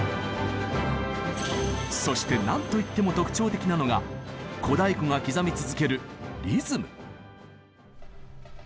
そして何といっても特徴的なのが小太鼓が刻み続ける「リズム」。